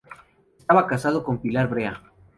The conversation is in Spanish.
Estaba casado con Pilar Brea.